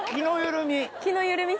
「気の緩み」？